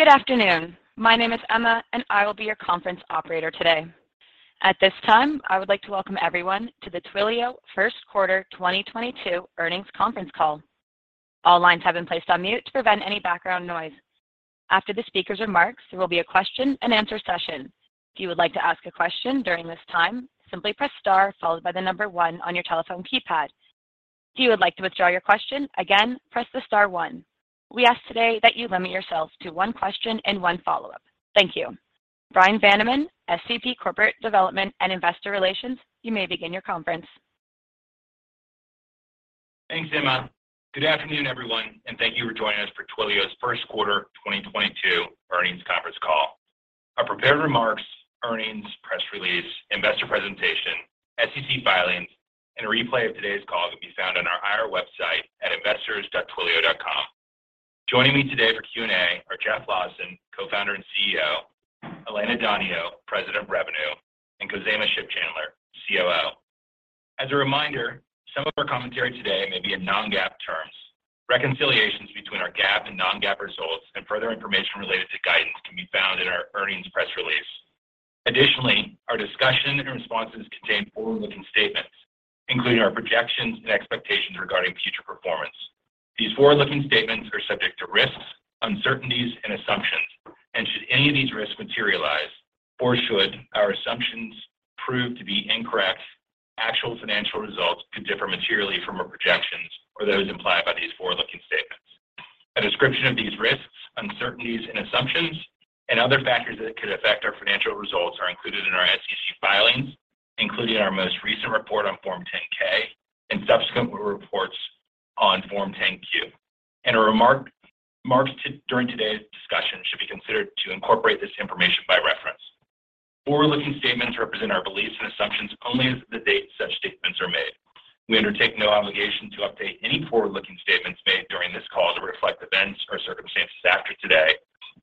Good afternoon. My name is Emma, and I will be your conference operator today. At this time, I would like to welcome everyone to the Twilio first quarter 2022 earnings conference call. All lines have been placed on mute to prevent any background noise. After the speaker's remarks, there will be a question and answer session. If you would like to ask a question during this time, simply press star followed by the number one on your telephone keypad. If you would like to withdraw your question, again, press the star one. We ask today that you limit yourself to one question and one follow-up. Thank you. Bryan Vaniman, SVP Corporate Development and Investor Relations, you may begin your conference. Thanks, Emma. Good afternoon, everyone, and thank you for joining us for Twilio's first quarter 2022 earnings conference call. Our prepared remarks, earnings press release, investor presentation, SEC filings, and a replay of today's call can be found on our IR website at investors.twilio.com. Joining me today for Q&A are Jeff Lawson, Co-founder and CEO, Elena Donio, President of Revenue, and Khozema Shipchandler, COO. As a reminder, some of our commentary today may be in non-GAAP terms. Reconciliations between our GAAP and non-GAAP results and further information related to guidance can be found in our earnings press release. Additionally, our discussion and responses contain forward-looking statements, including our projections and expectations regarding future performance. These forward-looking statements are subject to risks, uncertainties, and assumptions, and should any of these risks materialize or should our assumptions prove to be incorrect, actual financial results could differ materially from our projections or those implied by these forward-looking statements. A description of these risks, uncertainties, and assumptions and other factors that could affect our financial results are included in our SEC filings, including our most recent report on Form 10-K and subsequent reports on Form 10-Q. Any remarks made during today's discussion should be considered to incorporate this information by reference. Forward-looking statements represent our beliefs and assumptions only as of the date such statements are made. We undertake no obligation to update any forward-looking statements made during this call to reflect events or circumstances after today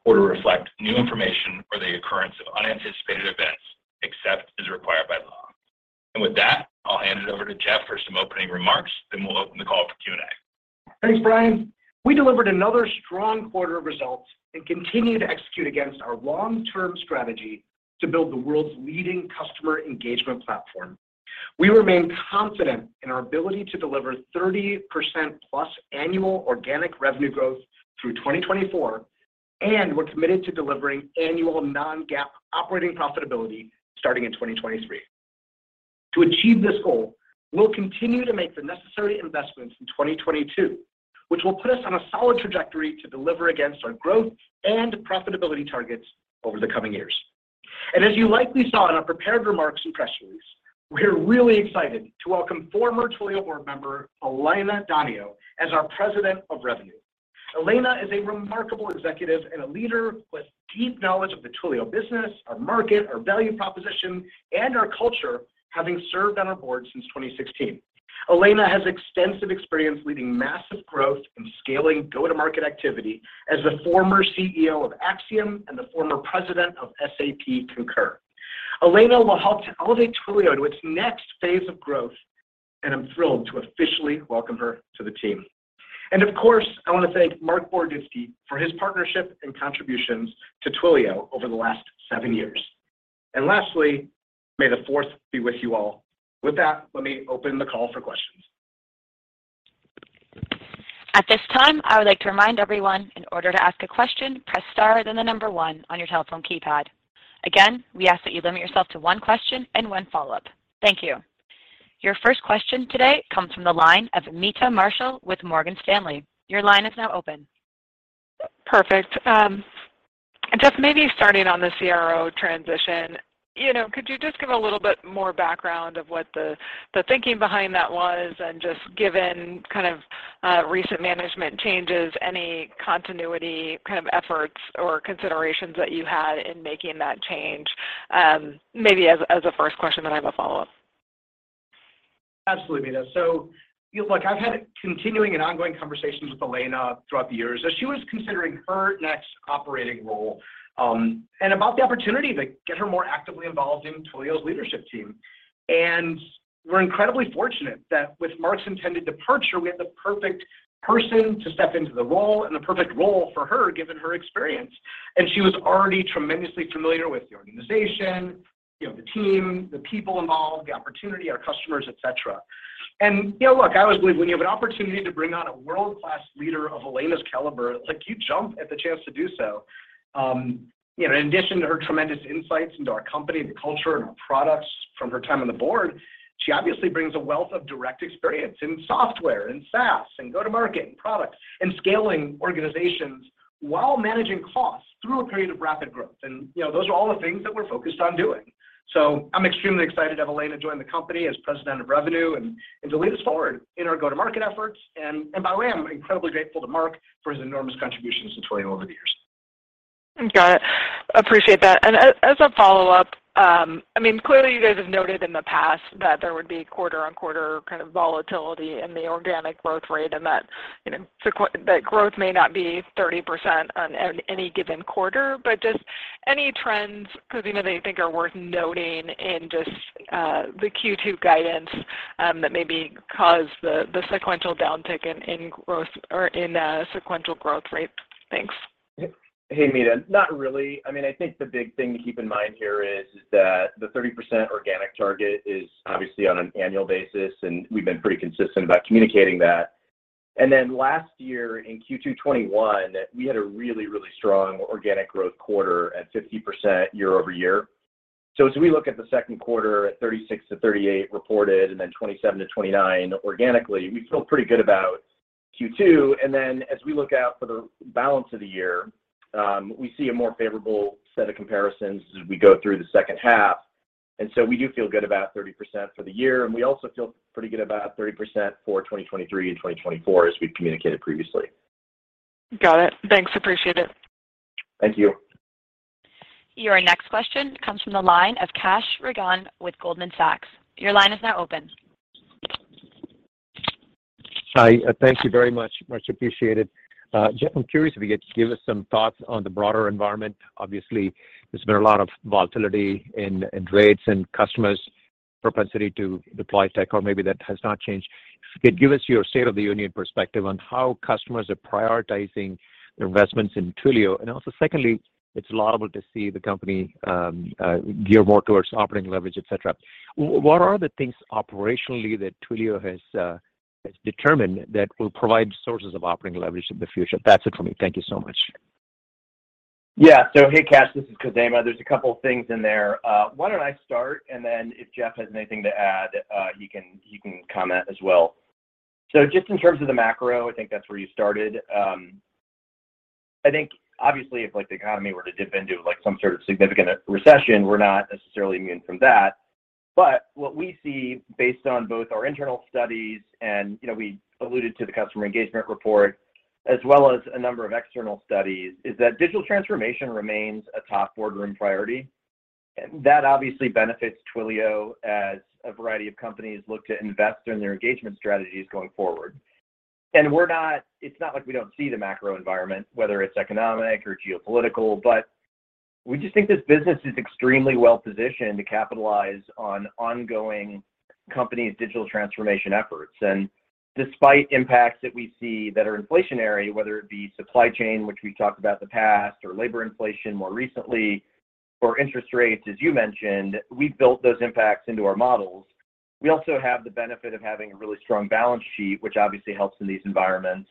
or to reflect new information or the occurrence of unanticipated events, except as required by law. With that, I'll hand it over to Jeff for some opening remarks, then we'll open the call for Q&A. Thanks, Bryan. We delivered another strong quarter of results and continue to execute against our long-term strategy to build the world's leading customer engagement platform. We remain confident in our ability to deliver +30% annual organic revenue growth through 2024, and we're committed to delivering annual non-GAAP operating profitability starting in 2023. To achieve this goal, we'll continue to make the necessary investments in 2022, which will put us on a solid trajectory to deliver against our growth and profitability targets over the coming years. As you likely saw in our prepared remarks and press release, we're really excited to welcome former Twilio board member Elena Donio as our President of Revenue. Elena Donio is a remarkable executive and a leader with deep knowledge of the Twilio business, our market, our value proposition, and our culture, having served on our board since 2016. Elena has extensive experience leading massive growth and scaling go-to-market activity as the former CEO of Acxiom and the former president of SAP Concur. Elena will help to elevate Twilio to its next phase of growth, and I'm thrilled to officially welcome her to the team. Of course, I want to thank Marc Boroditsky for his partnership and contributions to Twilio over the last seven years. Lastly, may the fourth be with you all. With that, let me open the call for questions. At this time, I would like to remind everyone in order to ask a question, press star, then the number one on your telephone keypad. Again, we ask that you limit yourself to one question and one follow-up. Thank you. Your first question today comes from the line of Meta Marshall with Morgan Stanley. Your line is now open. Perfect. Jeff, maybe starting on the CRO transition, could you just give a little bit more background of what the thinking behind that was and just given kind of recent management changes, any continuity kind of efforts or considerations that you had in making that change, maybe as a first question, then I have a follow-up. Absolutely, Meta. Look, I've had continuing and ongoing conversations with Elena throughout the years as she was considering her next operating role, and about the opportunity to get her more actively involved in Twilio's leadership team. We're incredibly fortunate that with Marc's intended departure, we had the perfect person to step into the role and the perfect role for her, given her experience. She was already tremendously familiar with the organization, you know, the team, the people involved, the opportunity, our customers, et cetera. You know, look, I always believe when you have an opportunity to bring on a world-class leader of Elena's caliber, like you jump at the chance to do so. You know, in addition to her tremendous insights into our company, the culture, and our products from her time on the board, she obviously brings a wealth of direct experience in software and SaaS and go-to-market and product and scaling organizations while managing costs through a period of rapid growth. you know, those are all the things that we're focused on doing. I'm extremely excited to have Elena join the company as President of Revenue and to lead us forward in our go-to-market efforts. by the way, I'm incredibly grateful to Marc for his enormous contributions to Twilio over the years. Got it. Appreciate that. As a follow-up, I mean, clearly you guys have noted in the past that there would be quarter-on-quarter kind of volatility in the organic growth rate and that, you know, that growth may not be 30% on any given quarter, but just any trends, because, you know, things that are worth noting in just the second quarter guidance that maybe caused the sequential downtick in growth or in sequential growth rate? Thanks. Hey, Meta. Not really. I mean, I think the big thing to keep in mind here is that the 30% organic target is obviously on an annual basis, and we've been pretty consistent about communicating that. Last year in second quarter 2021, we had a really, really strong organic growth quarter at 50% year-over-year. As we look at the second quarter at 36%-38% reported and then 27%-29% organically, we feel pretty good about second quarter. As we look out for the balance of the year, we see a more favorable set of comparisons as we go through the second half. We do feel good about 30% for the year, and we also feel pretty good about 30% for 2023 and 2024 as we've communicated previously. Got it. Thanks, appreciate it. Thank you. Your next question comes from the line of Kash Rangan with Goldman Sachs. Your line is now open. Hi. Thank you very much, much appreciated. Jeff, I'm curious if you could give us some thoughts on the broader environment. Obviously, there's been a lot of volatility in rates and customers' propensity to deploy-tech or maybe that has not changed. If you could give us your state of the union perspective on how customers are prioritizing their investments in Twilio. Also secondly, it's laudable to see the company gear more towards operating leverage, etc. What are the things operationally that Twilio has determined that will provide sources of operating leverage in the future? That's it for me. Thank you so much. Yeah. Hey, Kash, this is Khozema. There's a couple things in there. Why don't I start, and then if Jeff has anything to add, he can comment as well. Just in terms of the macro, I think that's where you started. I think obviously if, like, the economy were to dip into, like, some sort of significant recession, we're not necessarily immune from that. What we see based on both our internal studies and, you know, we alluded to the customer engagement report as well as a number of external studies, is that digital transformation remains a top boardroom priority. That obviously benefits Twilio as a variety of companies look to invest in their engagement strategies going forward. It's not like we don't see the macro environment, whether it's economic or geopolitical, but we just think this business is extremely well positioned to capitalize on ongoing company's digital transformation efforts. Despite impacts that we see that are inflationary, whether it be supply chain, which we've talked about in the past, or labor inflation more recently, or interest rates, as you mentioned, we've built those impacts into our models. We also have the benefit of having a really strong balance sheet, which obviously helps in these environments.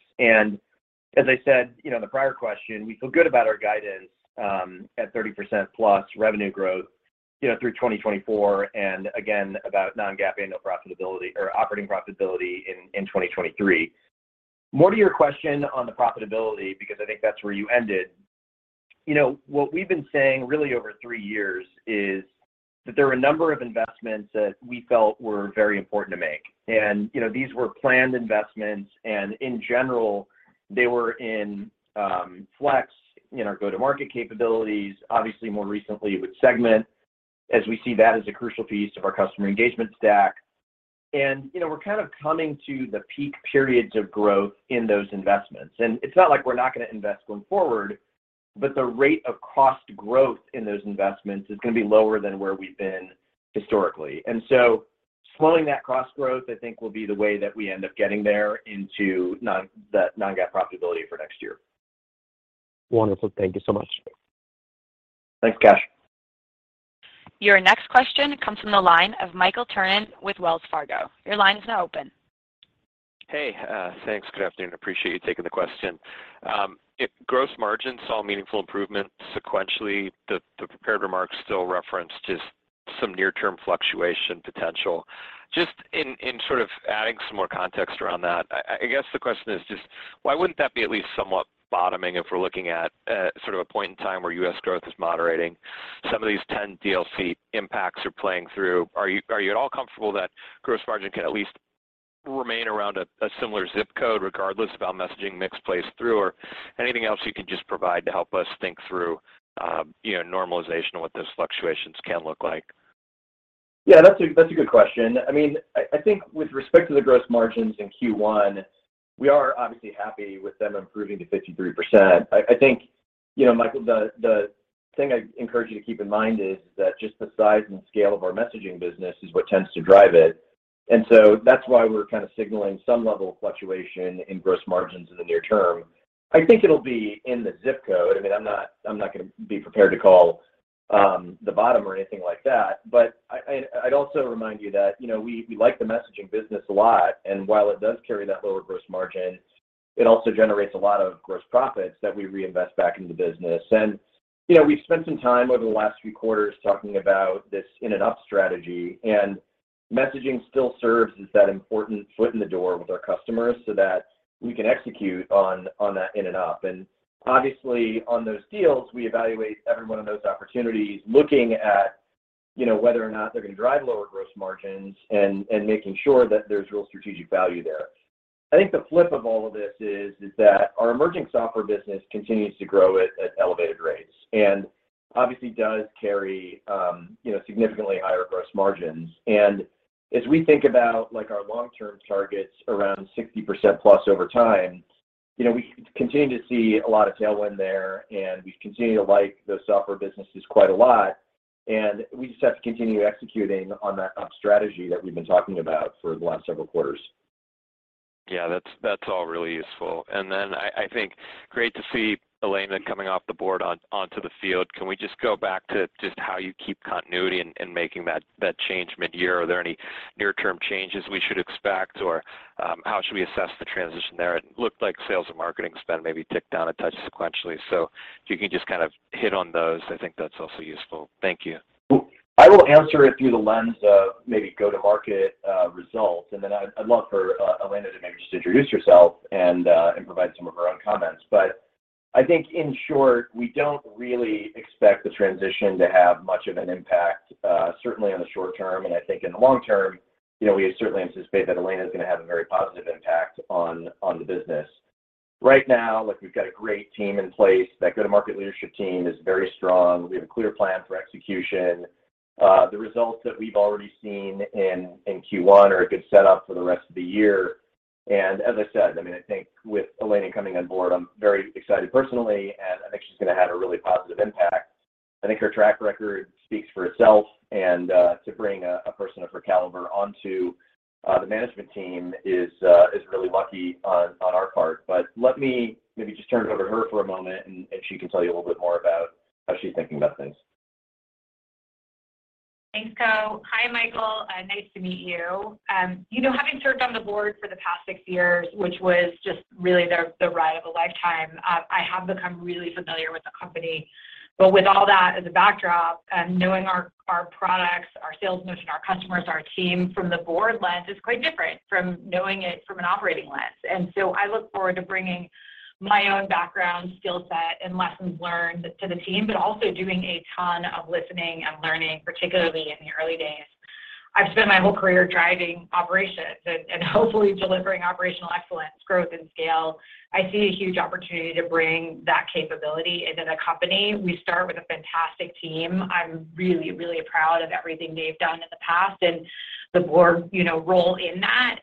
As I said, you know, in the prior question, we feel good about our guidance at +30% revenue growth, you know, through 2024 and again about non-GAAP annual profitability or operating profitability in 2023. More to your question on the profitability, because I think that's where you ended. You know, what we've been saying really over three years is that there are a number of investments that we felt were very important to make. You know, these were planned investments, and in general, they were in flex in our go-to-market capabilities, obviously more recently with segment, as we see that as a crucial piece of our customer engagement stack. You know, we're kind of coming to the peak periods of growth in those investments. It's not like we're not gonna invest going forward, but the rate of cost growth in those investments is gonna be lower than where we've been historically. Slowing that cost growth, I think, will be the way that we end up getting there into non-GAAP profitability for next year. Wonderful. Thank you so much. Thanks, Kash. Your next question comes from the line of Michael Turrin with Wells Fargo. Your line is now open. Hey. Thanks. Good afternoon. Appreciate you taking the question. If gross margin saw meaningful improvement sequentially, the prepared remarks still referenced just some near-term fluctuation potential. Just in sort of adding some more context around that, I guess the question is just why wouldn't that be at least somewhat bottoming if we're looking at sort of a point in time where U.S. growth is moderating? Some of these 10 DLC impacts are playing through. Are you at all comfortable that gross margin can at least remain around a similar zip code regardless of how messaging mix plays through or anything else you can just provide to help us think through, you know, normalization and what those fluctuations can look like? Yeah, that's a good question. I mean, I think with respect to the gross margins in first quarter, we are obviously happy with them improving to 53%. I think, you know, Michael, the thing I'd encourage you to keep in mind is that just the size and scale of our messaging business is what tends to drive it. So that's why we're kind of signaling some level of fluctuation in gross margins in the near term. I think it'll be in the zip code. I mean, I'm not gonna be prepared to call the bottom or anything like that. I'd also remind you that, you know, we like the messaging business a lot, and while it does carry that lower gross margin, it also generates a lot of gross profits that we reinvest back into business. You know, we've spent some time over the last few quarters talking about this in and up strategy, and messaging still serves as that important foot in the door with our customers so that we can execute on that in and up. Obviously, on those deals, we evaluate every one of those opportunities looking at, you know, whether or not they're gonna drive lower gross margins and making sure that there's real strategic value there. I think the flip of all of this is that our emerging software business continues to grow at elevated rates and obviously does carry, you know, significantly higher gross margins. As we think about, like, our long-term targets around +60% over time. You know, we continue to see a lot of tail-wind there, and we continue to like those software businesses quite a lot, and we just have to continue executing on that strategy that we've been talking about for the last several quarters. Yeah, that's all really useful. I think great to see Elena coming off the board onto the field. Can we just go back to just how you keep continuity in making that change mid-year? Are there any near-term changes we should expect, or how should we assess the transition there? It looked like sales and marketing spend maybe ticked down a touch sequentially. If you can just kind of hit on those, I think that's also useful. Thank you. Well, I will answer it through the lens of maybe go-to-market results, and then I'd love for Elena to maybe just introduce herself and provide some of her own comments. I think in short, we don't really expect the transition to have much of an impact, certainly in the short term, and I think in the long term, you know, we certainly anticipate that Elena's gonna have a very positive impact on the business. Right now, look, we've got a great team in place. That go-to-market leadership team is very strong. We have a clear plan for execution. The results that we've already seen in first quarter are a good setup for the rest of the year. As I said, I mean, I think with Elena coming on board, I'm very excited personally, and I think she's gonna have a really positive impact. I think her track record speaks for itself and to bring a person of her caliber onto the management team is really lucky on our part. Let me maybe just turn it over to her for a moment and she can tell you a little bit more about how she's thinking about things. Thanks, Khozema. Hi, Michael Turrin. Nice to meet you. You know, having served on the board for the past six years, which was just really the ride of a lifetime, I have become really familiar with the company. With all that as a back-drop, knowing our products, our sales motion, our customers, our team from the board lens is quite different from knowing it from an operating lens. I look forward to bringing my own background skill set and lessons learned to the team, but also doing a ton of listening and learning, particularly in the early days. I've spent my whole career driving operations and hopefully delivering operational excellence, growth and scale. I see a huge opportunity to bring that capability into the company. We start with a fantastic team. I'm really proud of everything they've done in the past and the board, you know, role in that.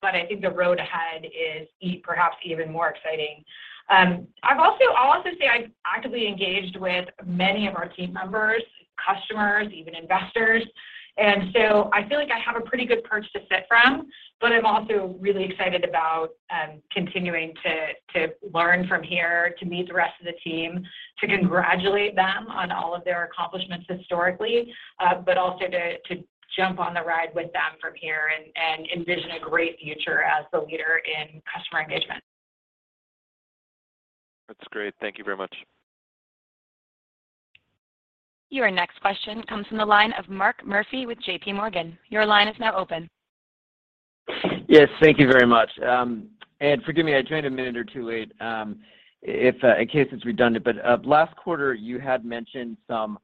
But I think the road ahead is perhaps even more exciting. I'll also say I've actively engaged with many of our team members, customers, even investors, and so I feel like I have a pretty good perch to sit from, but I'm also really excited about continuing to learn from here, to meet the rest of the team, to congratulate them on all of their accomplishments historically, but also to jump on the ride with them from here and envision a great future as the leader in customer engagement. That's great. Thank you very much. Your next question comes from the line of Mark Murphy with JPMorgan. Your line is now open. Yes. Thank you very much. Forgive me, I joined a minute or two late, if in case it's redundant, but last quarter, you had mentioned some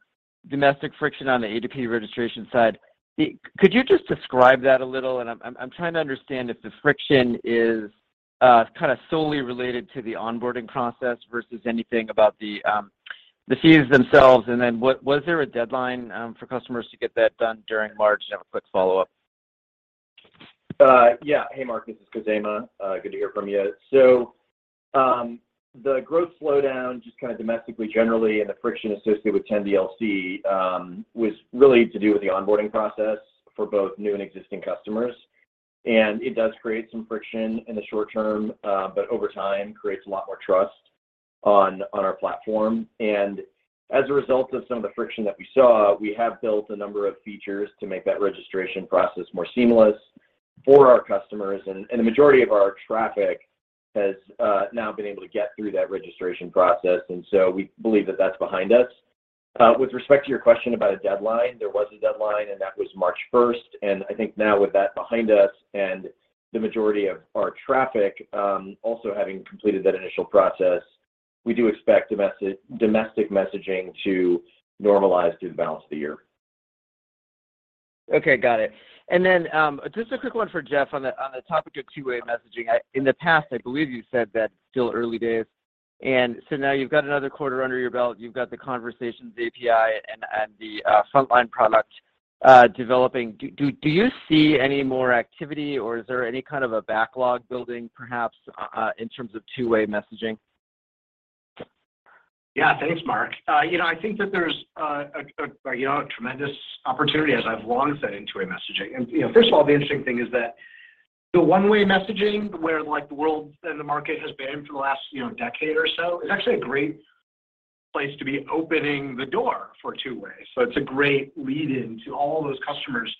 domestic friction on the A2P registration side. Could you just describe that a little? I'm trying to understand if the friction is kind of solely related to the onboarding process versus anything about the fees themselves. Was there a deadline for customers to get that done during March? I have a quick follow-up. Yeah. Hey, Marc. This is Khozema. Good to hear from you. The growth slowdown, just kind of domestically, generally and the friction associated with 10 DLC, was really to do with the onboarding process for both new and existing customers. It does create some friction in the short term, but over time creates a lot more trust on our platform. As a result of some of the friction that we saw, we have built a number of features to make that registration process more seamless for our customers. The majority of our traffic has now been able to get through that registration process, and we believe that that's behind us. With respect to your question about a deadline, there was a deadline, and that was March first. I think now with that behind us and the majority of our traffic, also having completed that initial process, we do expect domestic messaging to normalize through the balance of the year. Okay. Got it. Just a quick one for Jeff on the topic of two-way messaging. In the past, I believe you said that it's still early days, and so now you've got another quarter under your belt. You've got the Conversations API and the Frontline product developing. Do you see any more activity, or is there any kind of a back-log building perhaps in terms of two-way messaging? Yeah. Thanks, Marc. You know, I think that there's a tremendous opportunity, as I've long said, in two-way messaging. You know, first of all, the interesting thing is that the one-way messaging where, like, the world and the market has been for the last, you know, decade or so is actually a great place to be opening the door for two-way. It's a great lead-in to all those customers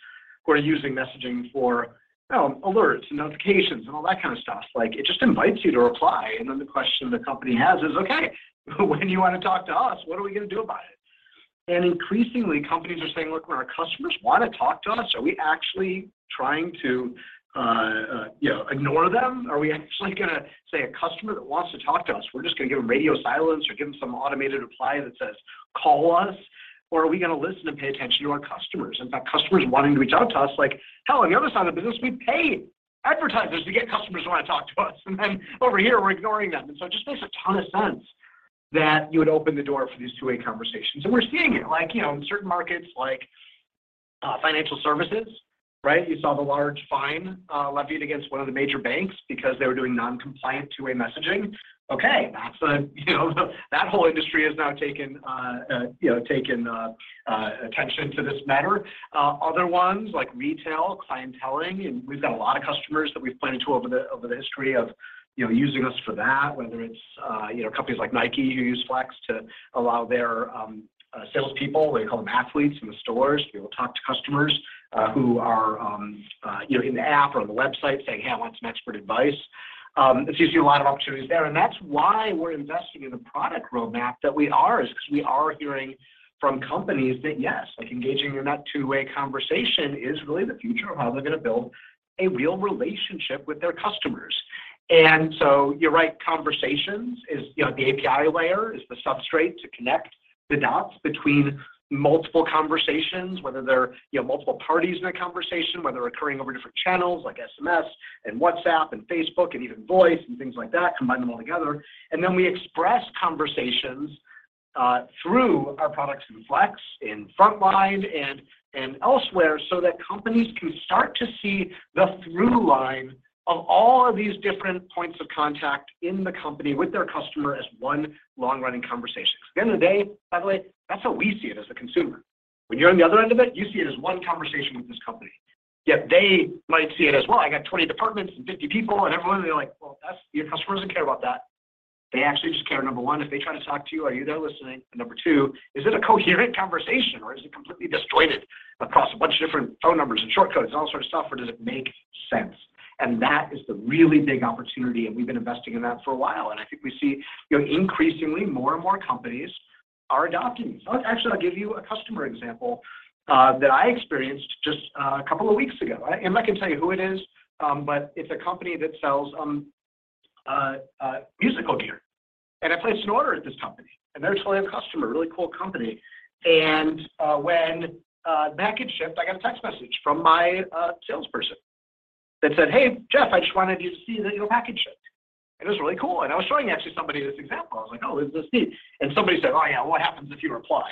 who are using messaging for, you know, alerts and notifications and all that kind of stuff. Like, it just invites you to reply. Then the question the company has is, Okay, when you wanna talk to us, what are we gonna do about it? Increasingly, companies are saying, Look, when our customers wanna talk to us, are we actually trying to, you know, ignore them? Are we actually gonna say a customer that wants to talk to us, we're just gonna give them radio silence or give them some automated reply that says, Call us? Or are we gonna listen and pay attention to our customers? In fact, customers wanting to reach out to us, like, hell, on the other side of the business, we pay advertisers to get customers to wanna talk to us, and then over here we're ignoring them. It just makes a ton of sense that you would open the door for these two-way conversations. We're seeing it, like, you know, in certain markets. Financial services, right? You saw the large fine levied against one of the major banks because they were doing non-compliant two-way messaging. Okay, that's a. You know, that whole industry has now paid attention to this matter. Other ones like retail, clienteling, and we've got a lot of customers that we've pointed to over the history of, you know, using us for that, whether it's companies like Nike who use Flex to allow their sales-people. They call them athletes in the stores. People talk to customers who are, you know, in the app or on the website saying, Hey, I want some expert advice. It gives you a lot of opportunities there, and that's why we're investing in the product roadmap that we are is because we are hearing from companies that, yes, like, engaging in that two-way conversation is really the future of how they're going to build a real relationship with their customers. You're right, Conversations is, you know, the API layer is the substrate to connect the dots between multiple conversations, whether they're, you know, multiple parties in a conversation, whether occurring over different channels like SMS and WhatsApp and Facebook and even voice and things like that, combine them all together. We express conversations through our products in Flex, in Frontline and elsewhere, so that companies can start to see the through line of all of these different points of contact in the company with their customer as one long-running conversation. Because at the end of the day, by the way, that's how we see it as a consumer. When you're on the other end of it, you see it as one conversation with this company, yet they might see it as, well, I got 20 departments and 50 people, and everyone, they're like, well, your customers don't care about that. They actually just care, number one, if they try to talk to you, are you there listening? Number two, is it a coherent conversation, or is it completely disjointed across a bunch of different phone numbers and short codes and all sort of stuff, or does it make sense? That is the really big opportunity, and we've been investing in that for a while. I think we see, you know, increasingly more and more companies are adopting these. Actually, I'll give you a customer example that I experienced just a couple of weeks ago. I'm not going to tell you who it is, but it's a company that sells musical gear. I placed an order at this company, and they're a Twilio customer, really cool company. When a package shipped, I got a text message from my salesperson that said, Hey, Jeff, I just wanted you to see that your package shipped. It was really cool, and I was showing actually somebody this example. I was like, Oh, isn't this neat? Somebody said, Oh, yeah, what happens if you reply?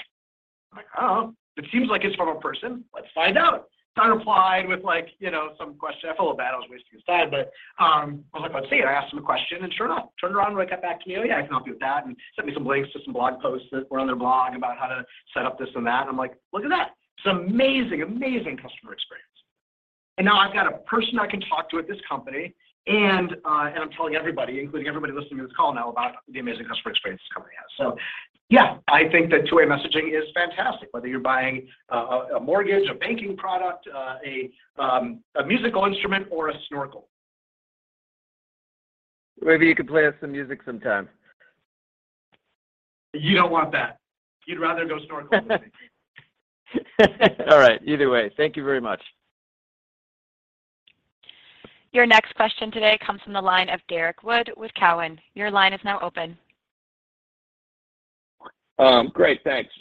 I'm like, I don't know. It seems like it's from a person. Let's find out I replied with like, you know, some question. I felt bad I was wasting his time, but I was like, Let's see. I asked him a question, and sure enough, turned around when I got back to you. Yeah, I can help you with that, and sent me some links to some blog posts that were on their blog about how to set up this and that. I'm like, look at that. It's amazing customer experience. Now I've got a person I can talk to at this company, and I'm telling everybody, including everybody listening to this call now, about the amazing customer experience this company has. Yeah, I think that two-way messaging is fantastic, whether you're buying a mortgage, a banking product, a musical instrument or a snorkel. Maybe you could play us some music sometime. You don't want that. You'd rather go snorkeling with me. All right. Either way, thank you very much. Your next question today comes from the line of Derrick Wood with Cowen. Your line is now open. Great. Thanks.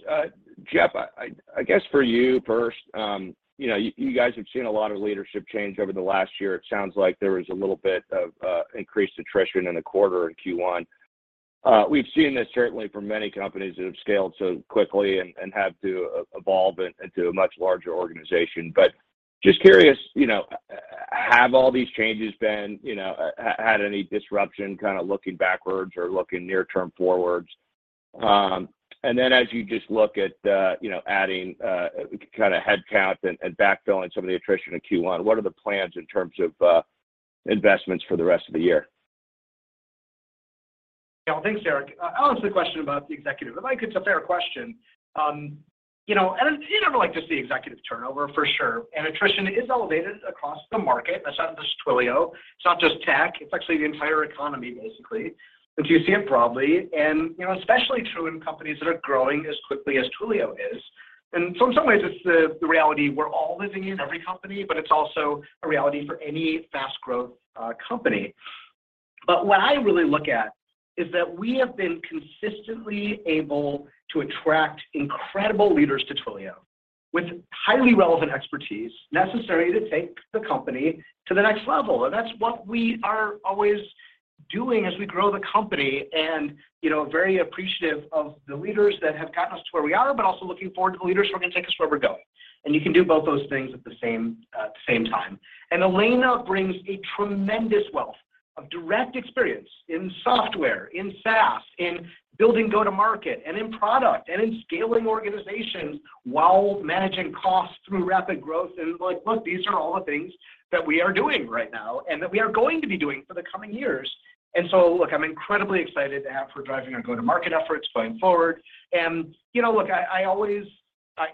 Jeff, I guess for you first, you know, you guys have seen a lot of leadership change over the last year. It sounds like there was a little bit of increased attrition in the quarter in first quarter. We've seen this certainly from many companies that have scaled so quickly and have to evolve into a much larger organization. Just curious, you know, have all these changes been, you know, had any disruption kind of looking backwards or looking near-term forward? Then as you just look at, you know, adding kind of headcount and back-filling some of the attrition in first quarter, what are the plans in terms of investments for the rest of the year? Yeah. Thanks, Derek. I'll answer the question about the executive. I think it's a fair question. You know, and you never like to see executive turnover for sure. Attrition is elevated across the market. It's not just Twilio, it's not just tech, it's actually the entire economy, basically, if you see it broadly and, you know, especially true in companies that are growing as quickly as Twilio is. In some ways, it's the reality we're all living in every company, but it's also a reality for any fast growth company. What I really look at is that we have been consistently able to attract incredible leaders to Twilio with highly relevant expertise necessary to take the company to the next level. That's what we are always doing as we grow the company and, you know, very appreciative of the leaders that have gotten us to where we are, but also looking forward to the leaders who are going to take us where we're going. You can do both those things at the same time. Elena brings a tremendous wealth of direct experience in software, in SaaS, in building go-to-market, and in product, and in scaling organizations while managing costs through rapid growth. Like, look, these are all the things that we are doing right now and that we are going to be doing for the coming years. Look, I'm incredibly excited to have her driving our go-to-market efforts going forward. You know, look, I always,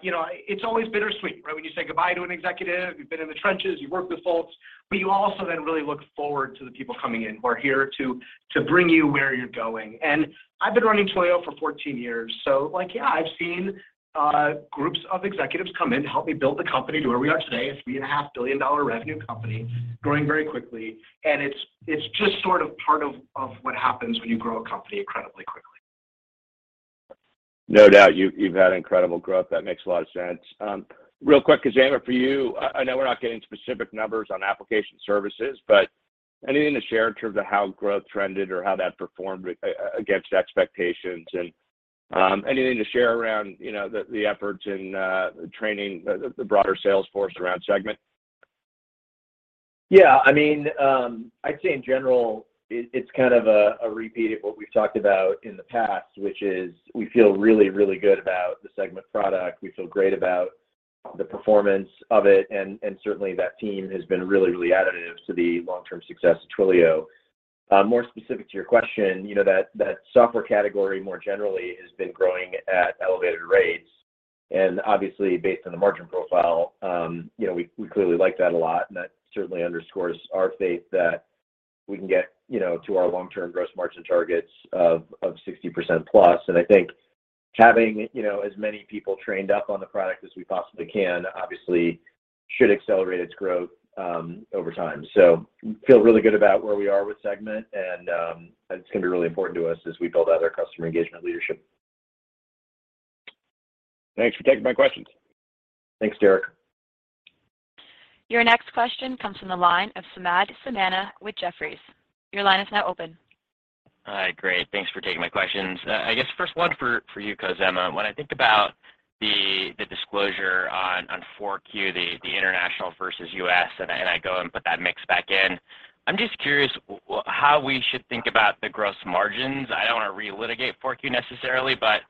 you know, it's always bitter-sweet, right? When you say goodbye to an executive, you've been in the trenches, you've worked with folks, but you also then really look forward to the people coming in who are here to bring you where you're going. I've been running Twilio for 14 years, so like, yeah, I've seen groups of executives come in to help me build the company to where we are today, a $3.5 billion revenue company growing very quickly. It's just sort of part of what happens when you grow a company incredibly quickly. No doubt. You've had incredible growth. That makes a lot of sense. Real quick, Khozema, for you, I know we're not getting specific numbers on application services, but. Anything to share in terms of how growth trended or how that performed against expectations? Anything to share around, you know, the efforts and the training the broader sales force around segment? Yeah. I mean, I'd say in general, it's kind of a repeat of what we've talked about in the past, which is we feel really good about the Segment product. We feel great about the performance of it, and certainly, that team has been really additive to the long-term success of Twilio. More specific to your question, you know, that software category more generally has been growing at elevated rates. Obviously, based on the margin profile, you know, we clearly like that a lot, and that certainly under-scores our faith that we can get, you know, to our long-term gross margin targets of +60%. I think having, you know, as many people trained up on the product as we possibly can, obviously should accelerate its growth over time. Feel really good about where we are with Segment and, it's gonna be really important to us as we build out our customer engagement leadership. Thanks for taking my questions. Thanks, Derrick. Your next question comes from the line of Samad Samana with Jefferies. Your line is now open. Hi. Great, thanks for taking my questions. I guess first one for you, Khozema. When I think about the disclosure on 4Q, the international versus U.S., and I go and put that mix back in, I'm just curious how we should think about the gross margins. I don't want to relitigate 4Q necessarily, but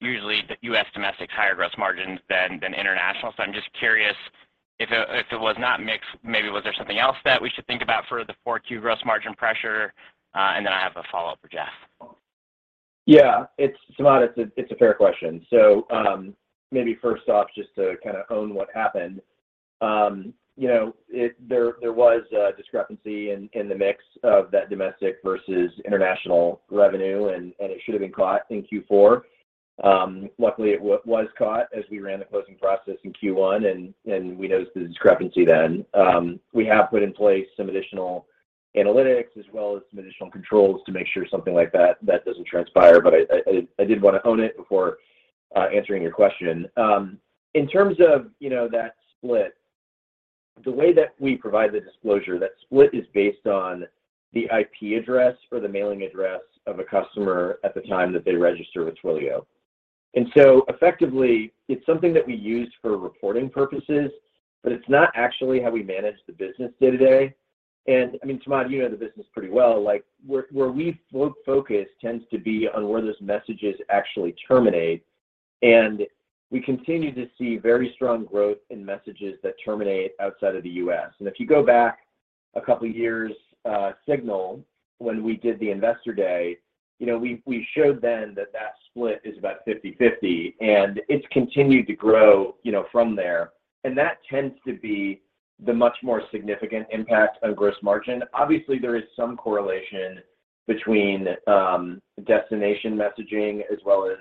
usually the U.S. domestic higher gross margins than international. I'm just curious if it was not mix, maybe was there something else that we should think about for the 4Q gross margin pressure? Then I have a follow-up for Jeff. Yeah. It's Samad, it's a fair question. Maybe first off, just to kind of own what happened, you know, there was a discrepancy in the mix of that domestic versus international revenue, and it should have been caught in fourth quarter. Luckily it was caught as we ran the closing process in first quarter, and we noticed the discrepancy then. We have put in place some additional analytics as well as some additional controls to make sure something like that doesn't transpire. I did wanna own it before answering your question. In terms of, you know, that split, the way that we provide the disclosure, that split is based on the IP address or the mailing address of a customer at the time that they register with Twilio. Effectively, it's something that we use for reporting purposes, but it's not actually how we manage the business day-to-day. I mean, Samad, you know the business pretty well. Like, where we focus tends to be on where those messages actually terminate, and we continue to see very strong growth in messages that terminate outside of the U.S. If you go back a couple of years, SIGNAL when we did the investor day, you know, we showed then that that split is about 50/50, and it's continued to grow, you know, from there. That tends to be the much more significant impact on gross margin. Obviously, there is some correlation between destination messaging as well as,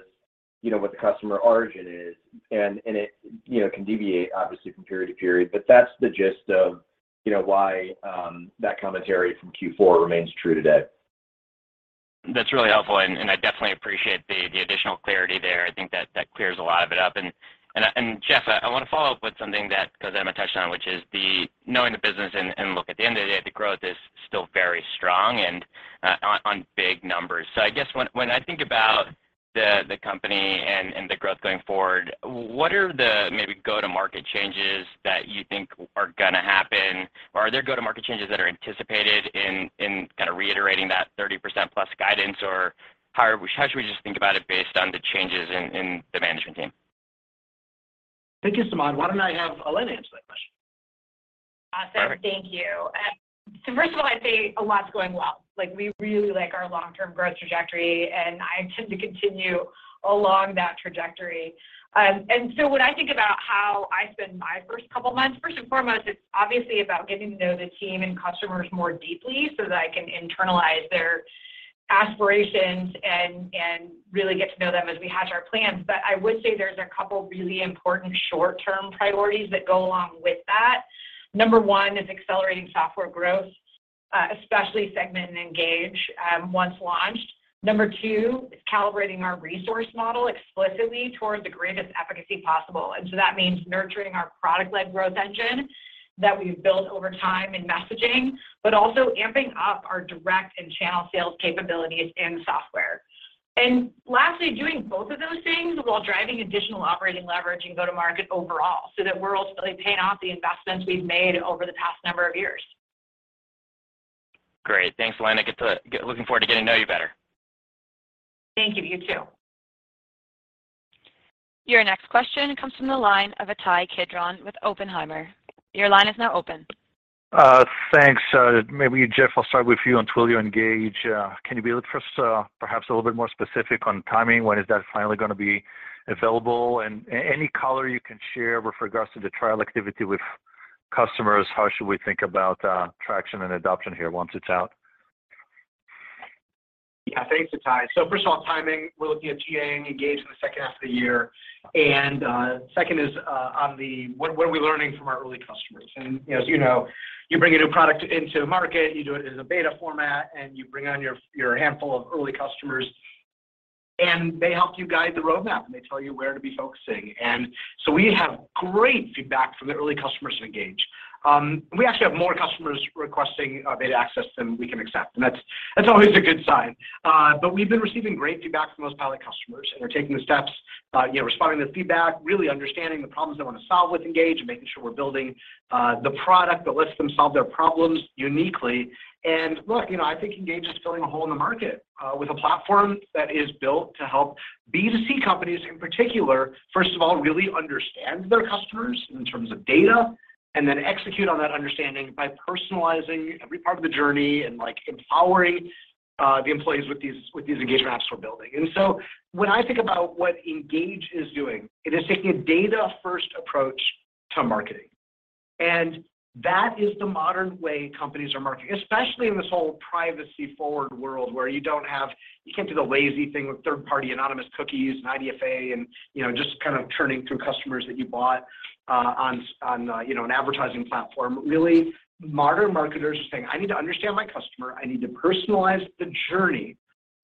you know, what the customer origin is, and it, you know, can deviate obviously from period to period. That's the gist of, you know, why that commentary from fourth quarter remains true today. That's really helpful, and I definitely appreciate the additional clarity there. I think that clears a lot of it up. Jeff, I wanna follow up with something that Khozema touched on, which is knowing the business and look at the end of the day, the growth is still very strong and on big numbers. I guess when I think about the company and the growth going forward, what are the maybe go-to-market changes that you think are gonna happen? Or are there go-to-market changes that are anticipated in kind of reiterating that +30% guidance? Or how should we just think about it based on the changes in the management team? Thank you, Samad. Why don't I have Elena answer that question? Awesome. Thank you. First of all, I'd say a lot's going well. Like, we really like our long-term growth trajectory, and I intend to continue along that trajectory. When I think about how I spend my first couple of months, first and foremost, it's obviously about getting to know the team and customers more deeply so that I can internalize their aspirations and really get to know them as we hatch our plans. I would say there's a couple of really important short-term priorities that go along with that. Number one is accelerating software growth, especially Segment and Engage, once launched. Number two is calibrating our resource model explicitly towards the greatest efficacy possible. That means nurturing our product-led growth engine that we've built over time in messaging, but also amping up our direct and channel sales capabilities in software. Lastly, doing both of those things while driving additional operating leverage and go to market overall so that we're ultimately paying off the investments we've made over the past number of years. Great. Thanks, Elena. Looking forward to getting to know you better. Thank you. You too. Your next question comes from the line of Ittai Kidron with Oppenheimer. Your line is now open. Thanks. Maybe Jeff, I'll start with you on Twilio Engage. Can you be first, perhaps a little bit more specific on timing? When is that finally gonna be available? Any color you can share with regards to the trial activity with customers, how should we think about traction and adoption here once it's out? Yeah. Thanks, Ittai. First of all, timing, we're looking at GA and Engage in the second half of the year. Second, what are we learning from our early customers. As you know, you bring a new product into market, you do it as a beta format, and you bring on your handful of early customers. They help you guide the road-map, and they tell you where to be focusing. We have great feedback from the early customers of Engage. We actually have more customers requesting beta access than we can accept, and that's always a good sign. We've been receiving great feedback from those pilot customers, and they're taking the steps you know, responding to the feedback, really understanding the problems they wanna solve with Engage and making sure we're building the product that lets them solve their problems uniquely. Look, you know, I think Engage is filling a hole in the market with a platform that is built to help B2C companies in particular, first of all, really understand their customers in terms of data and then execute on that understanding by personalizing every part of the journey and, like, empowering the employees with these engagement apps we're building. When I think about what Engage is doing, it is taking a data-first approach to marketing, and that is the modern way companies are marketing, especially in this whole privacy-forward world where you don't have. You can't do the lazy thing with third-party anonymous cookies and IDFA and, you know, just kind of churning through customers that you bought on you know an advertising platform. Really, modern marketers are saying, I need to understand my customer. I need to personalize the journey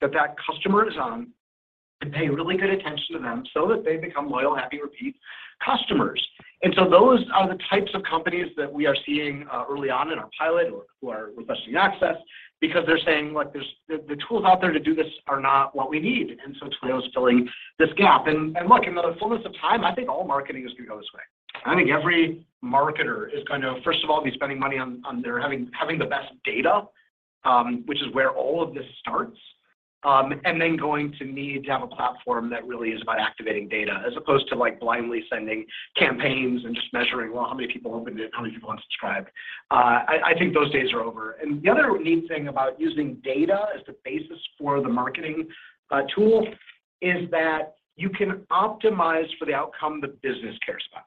that that customer is on and pay really good attention to them so that they become loyal, happy, repeat customers. Those are the types of companies that we are seeing early on in our pilot or who are requesting access because they're saying, Look, there's the tools out there to do this are not what we need, and so Twilio's filling this gap. Look, in the fullness of time, I think all marketing is gonna go this way. I think every marketer is gonna, first of all, be spending money on having the best data, which is where all of this starts, and then going to need to have a platform that really is about activating data as opposed to, like, blindly sending campaigns and just measuring, well, how many people opened it, how many people unsubscribed. I think those days are over. The other neat thing about using data as the basis for the marketing tool is that you can optimize for the outcome the business cares about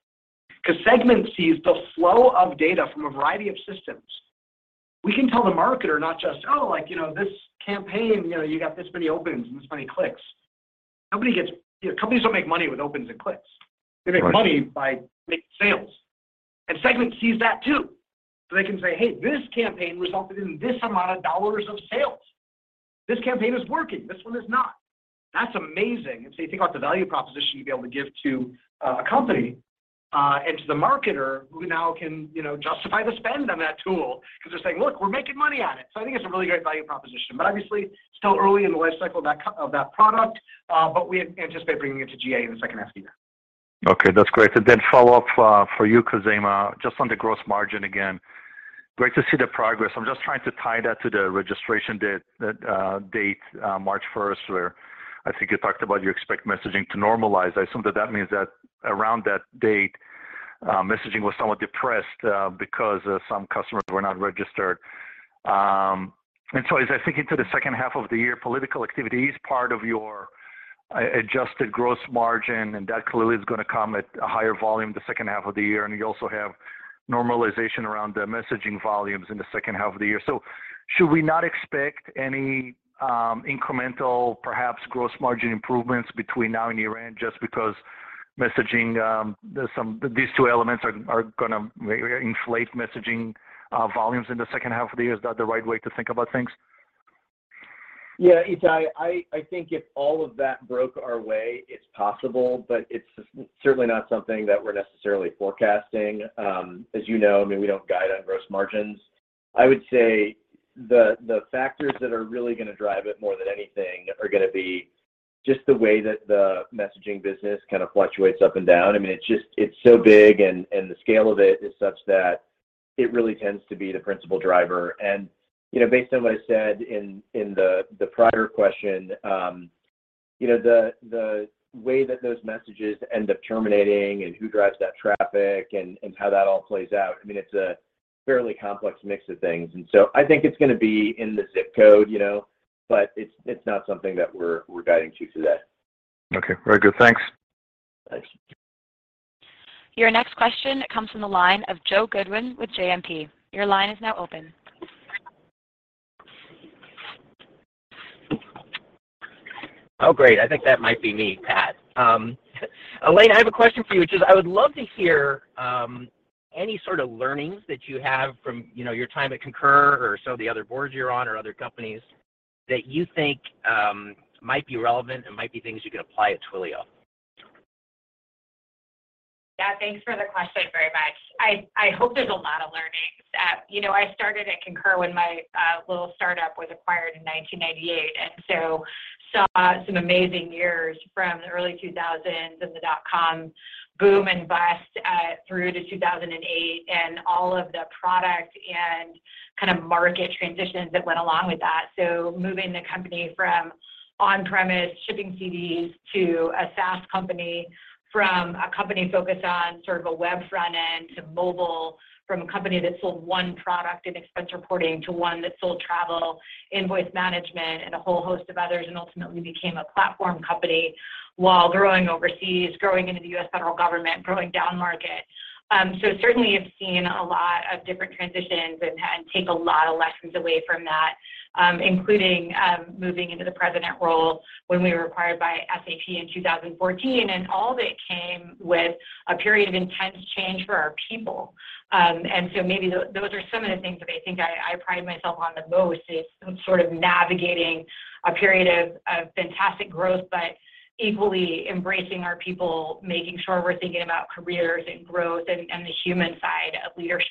'cause Segment sees the flow of data from a variety of systems. We can tell the marketer not just, Oh, like, you know, this campaign, you know, you got this many opens and this many clicks. Nobody gets. You know, companies don't make money with opens and clicks. Right. They make money by making sales, and Segment sees that too. They can say, Hey, this campaign resulted in this amount of dollars of sales. This campaign is working. This one is not. That's amazing. You think about the value proposition you'd be able to give to a company and to the marketer who now can, you know, justify the spend on that tool 'cause they're saying, Look, we're making money at it. I think it's a really great value proposition. Obviously, still early in the life cycle of that product, but we anticipate bringing it to GA in the second half of the year. Okay, that's great. Follow-up for you, Khozema, just on the gross margin again. Great to see the progress. I'm just trying to tie that to the registration date, March first, where I think you talked about you expect messaging to normalize. I assume that means that around that date, messaging was somewhat depressed because some customers were not registered. As I think into the second half of the year, political activity is part of your adjusted gross margin, and that clearly is gonna come at a higher volume the second half of the year, and you also have normalization around the messaging volumes in the second half of the year. Should we not expect any incremental, perhaps gross margin improvements between now and year-end just because messaging, there's some. These two elements are gonna inflate messaging volumes in the second half of the year. Is that the right way to think about things? Yeah, Ittai, I think if all of that broke our way, it's possible, but it's certainly not something that we're necessarily forecasting. As you know, I mean, we don't guide on gross margins. I would say the factors that are really gonna drive it more than anything are gonna be just the way that the messaging business kind of fluctuates up and down. I mean, it's just, it's so big, and the scale of it is such that it really tends to be the principal driver. You know, based on what I said in the prior question, you know, the way that those messages end up terminating and who drives that traffic and how that all plays out, I mean, it's a fairly complex mix of things. I think it's gonna be in the zip code, you know? It's not something that we're guiding to today. Okay. Very good. Thanks. Thanks. Your next question comes from the line of Pat Walravens with JMP. Your line is now open. Oh, great. I think that might be me, Pat. Elena, I have a question for you, which is I would love to hear any sort of learnings that you have from, you know, your time at Concur or some of the other boards you're on or other companies that you think might be relevant and might be things you can apply at Twilio. Yeah, thanks for the question very much. I hope there's a lot of learnings. You know, I started at Concur when my little startup was acquired in 1998 and so saw some amazing years from the early 2000s and the dot-com boom and bust, through to 2008 and all of the product and kind of market transitions that went along with that. Moving the company from on-premise shipping CDs to a SaaS company, from a company focused on sort of a web front end to mobile, from a company that sold one product in expense reporting to one that sold travel, invoice management, and a whole host of others and ultimately became a platform company while growing overseas, growing into the U.S. federal government, growing down-market. Certainly have seen a lot of different transitions and take a lot of lessons away from that, including moving into the president role when we were acquired by SAP in 2014, and all of it came with a period of intense change for our people. Maybe those are some of the things that I think I pride myself on the most is sort of navigating a period of fantastic growth, but equally embracing our people, making sure we're thinking about careers and growth and the human side of leadership.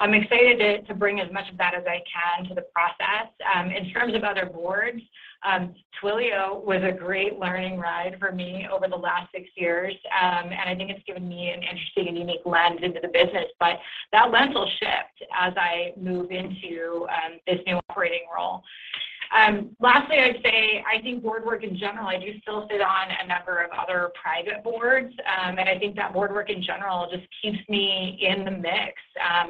I'm excited to bring as much of that as I can to the process. In terms of other boards, Twilio was a great learning ride for me over the last six years, and I think it's given me an interesting and unique lens into the business. That lens will shift as I move into this new operating role. Lastly, I'd say I think board work in general, I do still sit on a number of other private boards, and I think that board work in general just keeps me in the mix.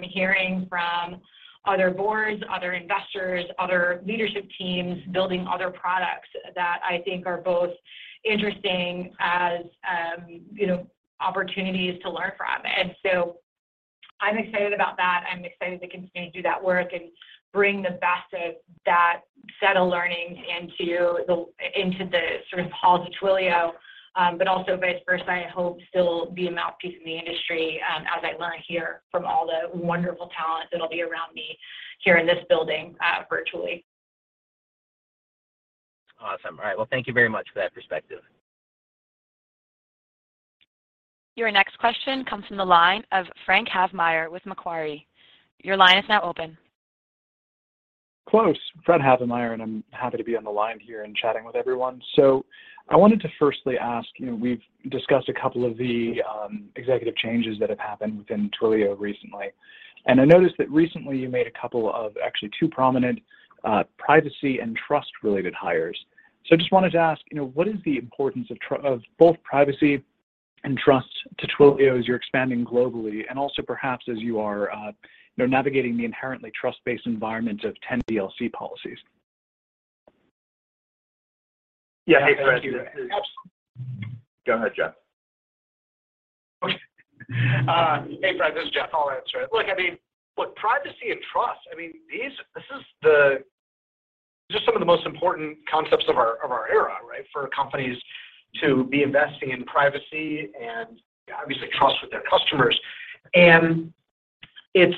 Hearing from other boards, other investors, other leadership teams, building other products that I think are both interesting as, you know, opportunities to learn from. I'm excited about that. I'm excited to continue to do that work and bring the best of that set of learnings into the sort of halls of Twilio, but also vice versa, I hope still be a mouth-piece in the industry, as I learn here from all the wonderful talent that'll be around me here in this building, virtually. Awesome. All right. Well, thank you very much for that perspective. Your next question comes from the line of Fred Havemeyer with Macquarie. Your line is now open. Close. Fred Havemeyer, I'm happy to be on the line here and chatting with everyone. I wanted to firstly ask, you know, we've discussed a couple of the executive changes that have happened within Twilio recently. I noticed that recently you made a couple of actually two prominent privacy and trust related hires. I just wanted to ask, you know, what is the importance of both privacy and trust to Twilio as you're expanding globally and also perhaps as you are, you know, navigating the inherently trust-based environment of 10 DLC policies? Yeah. Hey, Fred. Yeah. Hey, Fred. Go ahead, Jeff. Okay. Hey, Fred, this is Jeff. I'll answer it. Look, I mean, look, privacy and trust, I mean, these are some of the most important concepts of our era, right? For companies to be investing in privacy and obviously trust with their customers. It's,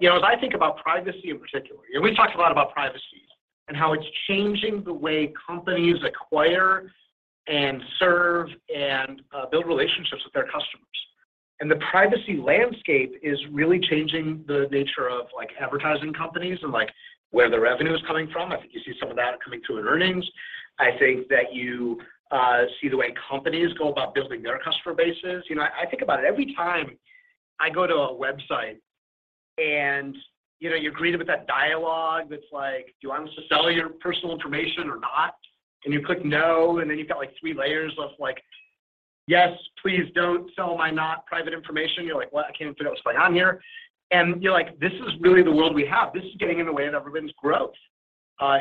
you know, as I think about privacy in particular, you know, we talk a lot about privacy and how it's changing the way companies acquire and serve and build relationships with their customers. The privacy landscape is really changing the nature of, like, advertising companies and, like, where the revenue is coming from. I think you see some of that coming through in earnings. I think that you see the way companies go about building their customer bases. You know, I think about it every time I go to a website and, you know, you're greeted with that dialogue that's like, Do you want us to sell your personal information or not? And you click no, and then you've got, like, three layers of, like, Yes, please don't sell my not private information. You're like, What? I can't even figure out what's going on here. And you're like, this is really the world we have. This is getting in the way of everyone's growth,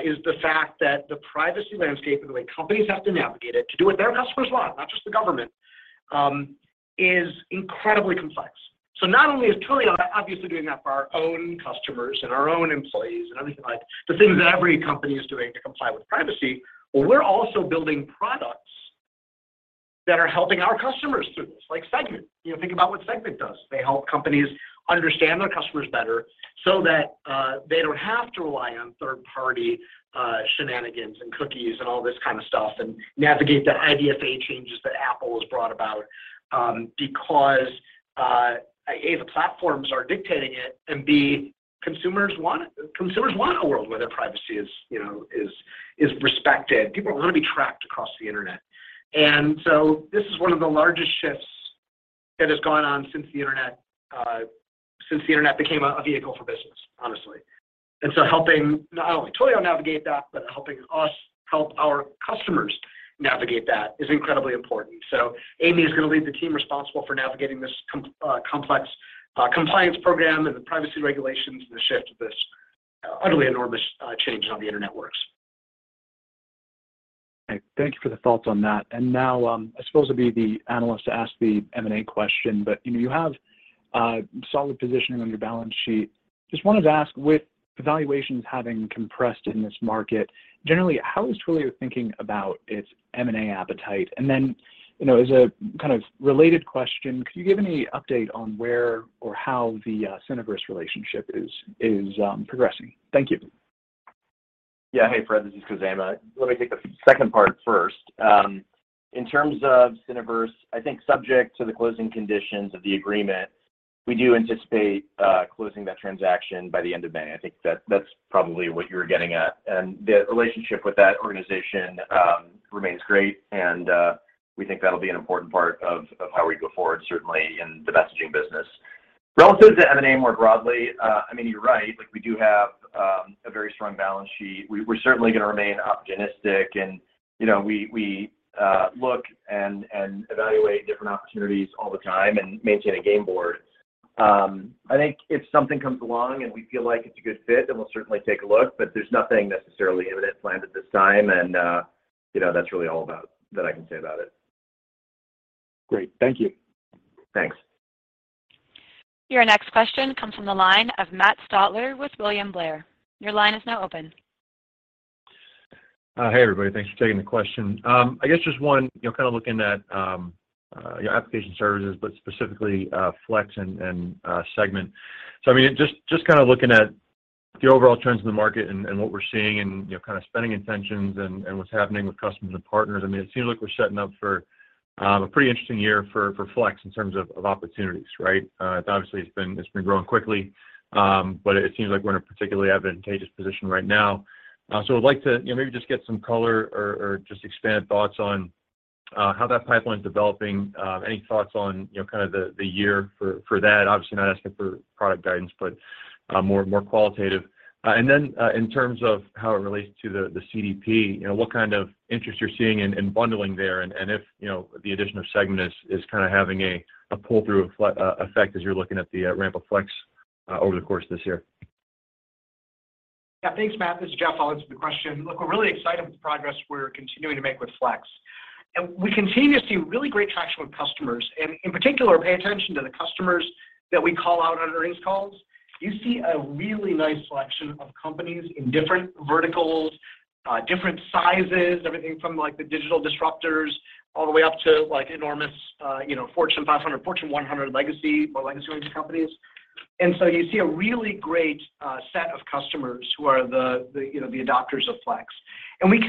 is the fact that the privacy landscape and the way companies have to navigate it to do what their customers want, not just the government, is incredibly complex. Not only is Twilio obviously doing that for our own customers and our own employees and everything like the things that every company is doing to comply with privacy, but we're also building products that are helping our customers through this, like Segment. You know, think about what Segment does. They help companies understand their customers better so that they don't have to rely on third-party shenanigans and cookies and all this kind of stuff and navigate the IDFA changes that Apple has brought about, because A, the platforms are dictating it, and B, consumers want it. Consumers want a world where their privacy is, you know, respected. People don't want to be tracked across the internet. This is one of the largest shifts that has gone on since the internet became a vehicle for business, honestly. Helping not only Twilio navigate that, but helping us help our customers navigate that is incredibly important. Amy is gonna lead the team responsible for navigating this complex compliance program and the privacy regulations and the shift of this utterly enormous changes on the internet works. Thank you for the thoughts on that. Now, I suppose it'd be the analyst to ask the M&A question, but, you know, you have a solid positioning on your balance sheet. Just wanted to ask, with valuations having compressed in this market, generally, how is Twilio thinking about its M&A appetite? Then, you know, as a kind of related question, could you give any update on where or how the Syniverse relationship is progressing? Thank you. Yeah. Hey, Fred, this is Khozema. Let me take the second part first. In terms of Syniverse, I think subject to the closing conditions of the agreement, we do anticipate closing that transaction by the end of May. I think that's probably what you were getting at. The relationship with that organization remains great, and we think that'll be an important part of how we go forward, certainly in the messaging business. Relative to M&A more broadly, I mean, you're right. Like, we do have a very strong balance sheet. We're certainly gonna remain opportunistic and, you know, we look and evaluate different opportunities all the time and maintain a game board. I think if something comes along and we feel like it's a good fit, then we'll certainly take a look, but there's nothing necessarily imminent planned at this time and, you know, that's really all that I can say about it. Great. Thank you. Thanks. Your next question comes from the line of Matt Stotler with William Blair. Your line is now open. Hey everybody, thanks for taking the question. I guess just one, you know, kind of looking at your application services, but specifically Flex and Segment. I mean, just kind of looking at the overall trends in the market and what we're seeing and, you know, kind of spending intentions and what's happening with customers and partners. I mean, it seems like we're setting up for a pretty interesting year for Flex in terms of opportunities, right? I'd like to, you know, maybe just get some color or just expanded thoughts on how that pipeline's developing, any thoughts on, you know, kind of the year for that. Obviously, not asking for product guidance, but more qualitative. In terms of how it relates to the CDP, you know, what kind of interest you're seeing in bundling there, and if, you know, the addition of Segment is kind of having a pull-through effect as you're looking at the ramp of Flex over the course of this year. Yeah. Thanks, Matt. This is Jeff. I'll answer the question. Look, we're really excited with the progress we're continuing to make with Flex. We continue to see really great traction with customers, and in particular, pay attention to the customers that we call out on earnings calls. You see a really nice selection of companies in different verticals, different sizes, everything from like the digital disruptors all the way up to, like, enormous, you know, Fortune 500, Fortune 100 legacy range companies. You see a really great set of customers who are the, you know, the adopters of Flex. We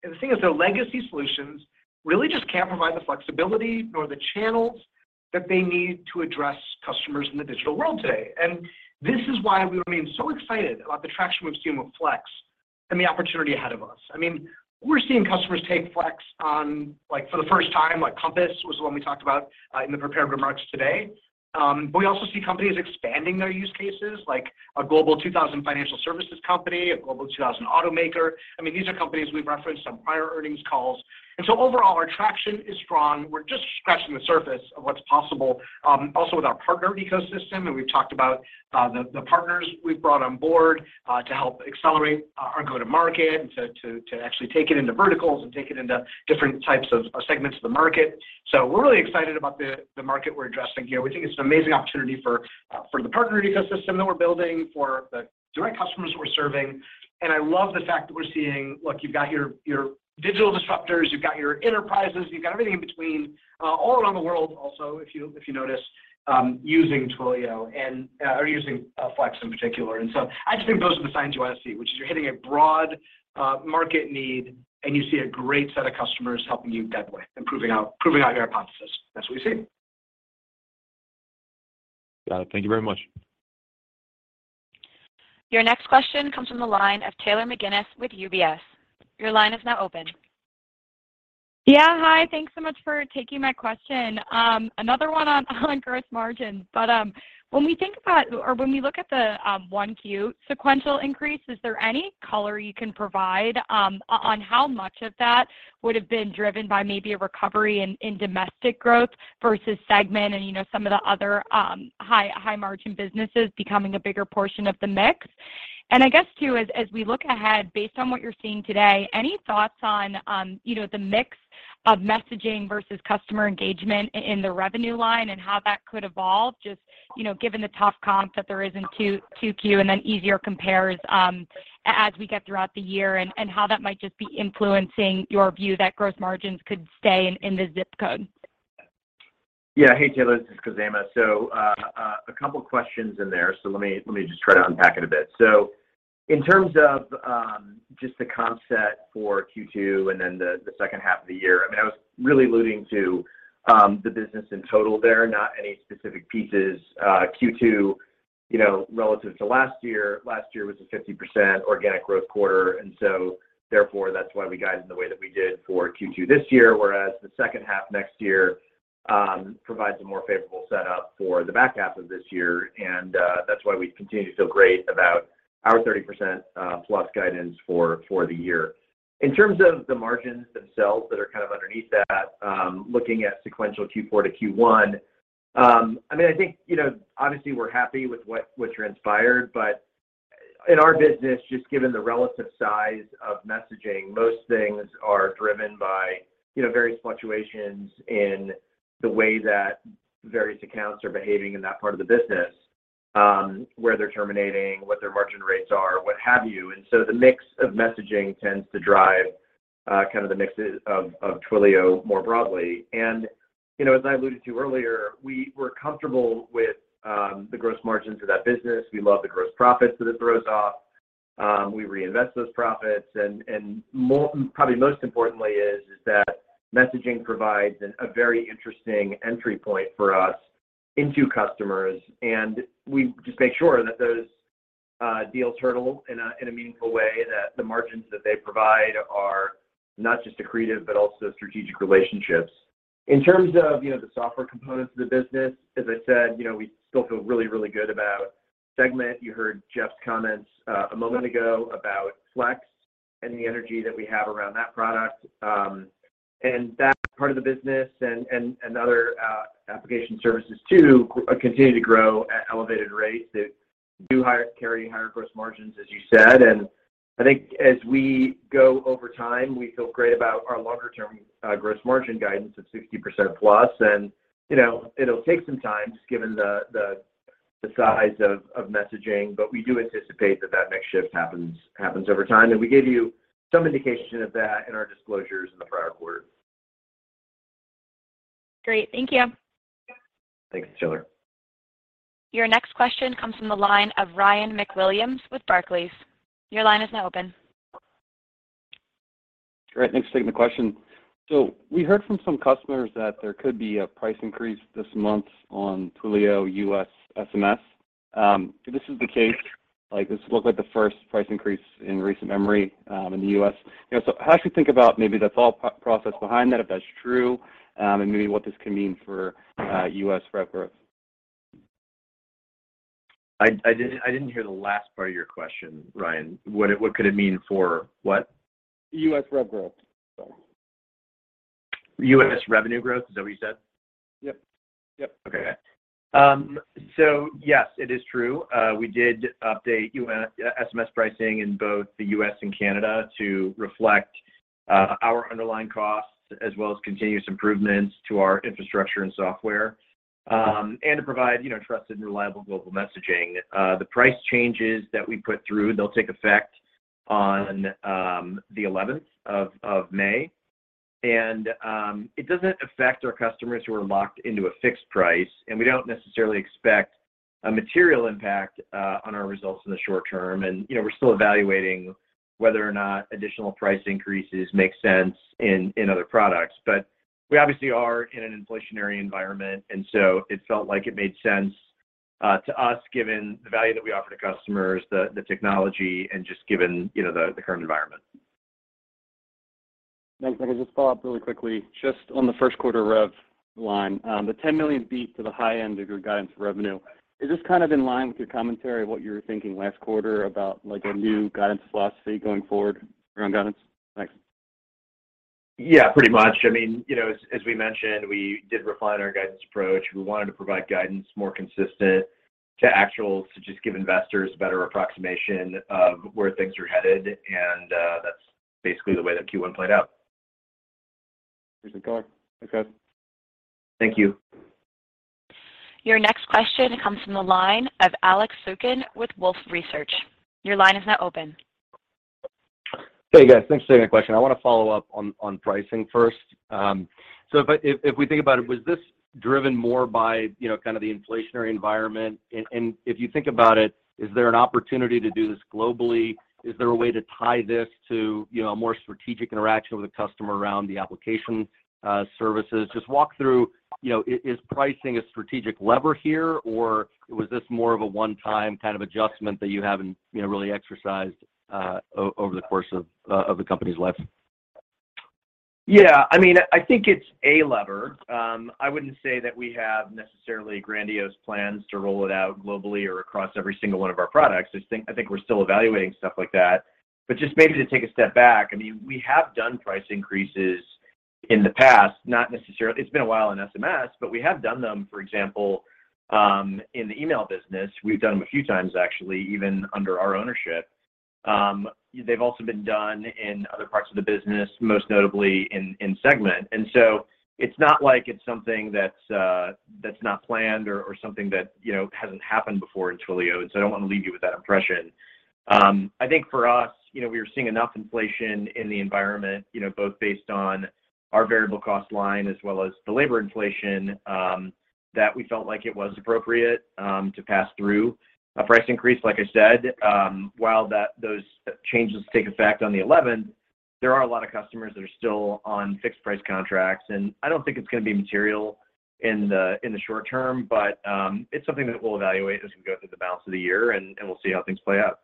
consistently hear from companies that the thing is, their legacy solutions really just can't provide the flexibility nor the channels that they need to address customers in the digital world today. This is why we remain so excited about the traction we've seen with Flex and the opportunity ahead of us. I mean, we're seeing customers take Flex on, like for the first time, like Compass was the one we talked about in the prepared remarks today. We also see companies expanding their use cases like a global 2,000 financial services company, a global 2,000 automaker. I mean, these are companies we've referenced on prior earnings calls. Overall, our traction is strong. We're just scratching the surface of what's possible also with our partner ecosystem. We've talked about the partners we've brought on board to help accelerate our go-to-market, to actually take it into verticals and take it into different types of segments of the market. We're really excited about the market we're addressing here. We think it's an amazing opportunity for the partner ecosystem that we're building, for the direct customers we're serving. I love the fact that we're seeing. Look, you've got your digital disruptors, you've got your enterprises, you've got everything in between, all around the world also, if you notice, using Twilio and or using Flex in particular. I just think those are the signs you want to see, which is you're hitting a broad market need, and you see a great set of customers helping you that way and proving out your hypothesis. That's what we've seen. Got it. Thank you very much. Your next question comes from the line of Taylor McGinnis with UBS. Your line is now open. Yeah. Hi. Thanks so much for taking my question. Another one on gross margin, but when we think about or when we look at the 1Q sequential increase, is there any color you can provide on how much of that would have been driven by maybe a recovery in domestic growth versus segment and, you know, some of the other high margin businesses becoming a bigger portion of the mix? I guess too, as we look ahead, based on what you're seeing today, any thoughts on, you know, the mix of messaging versus customer engagement in the revenue line and how that could evolve just, you know, given the tough comps that there is in 2Q and then easier compares, as we get throughout the year and how that might just be influencing your view that gross margins could stay in the zip code? Yeah. Hey, Taylor, this is Khozema Shipchandler. A couple questions in there. Let me just try to unpack it a bit. In terms of just the comp set for second quarter and then the second half of the year, I mean, I was really alluding to the business in total there, not any specific pieces. second quarter, you know, relative to last year, last year was a 50% organic growth quarter, and so therefore, that's why we guided the way that we did for second quarter this year, where-as the second half next year provides a more favorable set-up for the back half of this year. That's why we continue to feel great about our 30% plus guidance for the year. In terms of the margins themselves that are kind of underneath that, looking at sequential fourth quarter to first quarter, I mean, I think, you know, obviously we're happy with what transpired, but in our business, just given the relative size of messaging, most things are driven by, you know, various fluctuations in the way that various accounts are behaving in that part of the business, where they're terminating, what their margin rates are, what have you. The mix of messaging tends to drive kind of the mixes of Twilio more broadly. You know, as I alluded to earlier, we were comfortable with the gross margins of that business. We love the gross profits that it throws off. We reinvest those profits and probably most importantly is that messaging provides a very interesting entry point for us into customers, and we just make sure that those deals hurdle in a meaningful way, that the margins that they provide are not just accretive but also strategic relationships. In terms of, you know, the software components of the business, as I said, you know, we still feel really good about Segment. You heard Jeff's comments a moment ago about Flex and the energy that we have around that product. That part of the business and other application services too continue to grow at elevated rates that do carry higher gross margins, as you said, and I think as we go over time, we feel great about our longer term gross margin guidance of 60% plus, and you know, it'll take some time just given the size of messaging, but we do anticipate that that mix shift happens over time. We gave you some indication of that in our disclosures in the prior quarter. Great. Thank you. Thanks, Taylor. Your next question comes from the line of Ryan MacWilliams with Barclays. Your line is now open. Great. Thanks. Taking the question. We heard from some customers that there could be a price increase this month on Twilio U.S. SMS. If this is the case, like, this will look like the first price increase in recent memory, in the U.S. You know, how should you think about maybe the thought process behind that, if that's true, and maybe what this can mean for, US rev growth? I didn't hear the last part of your question, Ryan. What could it mean for what? U.S. rev growth. U.S. revenue growth, is that what you said? Yep. Yep. Okay. Yes, it is true. We did update U.S. SMS pricing in both the U.S. and Canada to reflect our underlying costs as well as continuous improvements to our infrastructure and software, and to provide, you know, trusted and reliable global messaging. The price changes that we put through, they'll take effect on the eleventh of May. It doesn't affect our customers who are locked into a fixed price, and we don't necessarily expect a material impact on our results in the short term. You know, we're still evaluating whether or not additional price increases make sense in other products. We obviously are in an inflationary environment, and so it felt like it made sense to us given the value that we offer to customers, the technology, and just given, you know, the current environment. Thanks. Can I just follow up really quickly just on the first quarter rev line? The $10 million beat to the high end of your guidance revenue, is this kind of in line with your commentary, what you were thinking last quarter about, like, a new guidance philosophy going forward around guidance? Thanks. Yeah, pretty much. I mean, you know, as we mentioned, we did refine our guidance approach. We wanted to provide guidance more consistent to actual to just give investors a better approximation of where things are headed, and that's basically the way that first quarter played out. Appreciate it. Thanks, guys. Thank you. Your next question comes from the line of Alex Zukin with Wolfe Research. Your line is now open. Hey, guys. Thanks for taking the question. I wanna follow up on pricing first. So if we think about it, was this driven more by, you know, kind of the inflationary environment? If you think about it, is there an opportunity to do this globally? Is there a way to tie this to, you know, a more strategic interaction with a customer around the application services? Just walk through, you know, is pricing a strategic lever here, or was this more of a one-time kind of adjustment that you haven't, you know, really exercised over the course of the company's life? Yeah. I mean, I think it's a lever. I wouldn't say that we have necessarily grandiose plans to roll it out globally or across every single one of our products. I think we're still evaluating stuff like that. Just maybe to take a step back, I mean, we have done price increases in the past, not necessarily. It's been a while in SMS, but we have done them, for example, in the email business. We've done them a few times actually, even under our ownership. They've also been done in other parts of the business, most notably in segment. It's not like it's something that's not planned or something that, you know, hasn't happened before in Twilio, and so I don't wanna leave you with that impression. I think for us, you know, we were seeing enough inflation in the environment, you know, both based on our variable cost line as well as the labor inflation, that we felt like it was appropriate, to pass through a price increase. Like I said, while those changes take effect on the eleventh, there are a lot of customers that are still on fixed price contracts. I don't think it's gonna be material in the short term, but, it's something that we'll evaluate as we go through the balance of the year, and we'll see how things play out.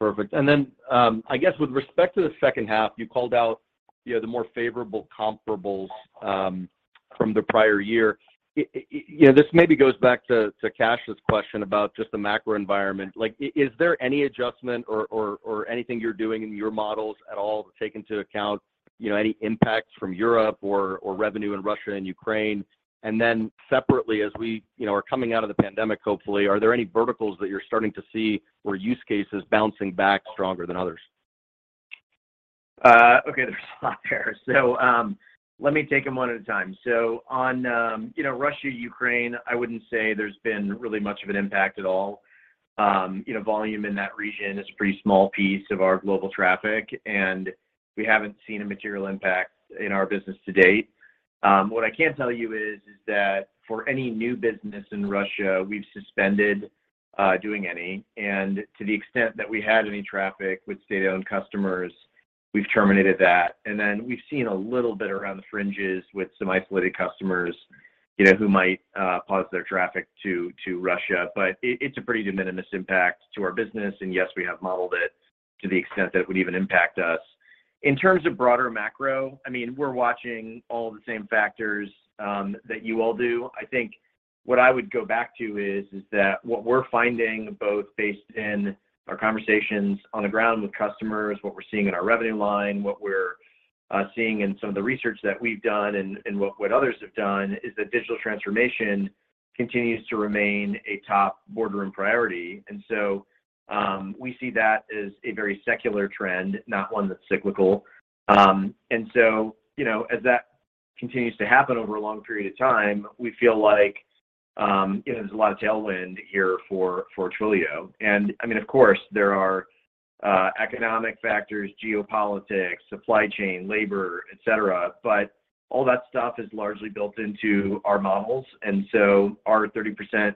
Perfect. I guess with respect to the second half, you called out, you know, the more favorable comparables from the prior year. You know, this maybe goes back to Kash's question about just the macro environment. Like, is there any adjustment or anything you're doing in your models at all to take into account, you know, any impacts from Europe or revenue in Russia and Ukraine? Separately, as we, you know, are coming out of the pandemic, hopefully, are there any verticals that you're starting to see or use cases bouncing back stronger than others? Okay, there's a lot there. Let me take them one at a time. On, you know, Russia, Ukraine, I wouldn't say there's been really much of an impact at all. You know, volume in that region is a pretty small piece of our global traffic, and we haven't seen a material impact in our business to date. What I can tell you is that for any new business in Russia, we've suspended doing any. To the extent that we had any traffic with state-owned customers, we've terminated that. Then we've seen a little bit around the fringes with some isolated customers, you know, who might pause their traffic to Russia. It's a pretty de minimis impact to our business, and yes, we have modeled it to the extent that it would even impact us. In terms of broader macro, I mean, we're watching all the same factors that you all do. I think what I would go back to is that what we're finding both based in our conversations on the ground with customers, what we're seeing in our revenue line, what we're seeing in some of the research that we've done and what others have done is that digital transformation continues to remain a top boardroom priority. We see that as a very secular trend, not one that's cyclical. You know, as that continues to happen over a long period of time, we feel like you know, there's a lot of tailwind here for Twilio. I mean, of course, there are economic factors, geopolitics, supply chain, labor, et cetera, but all that stuff is largely built into our models. Our 30%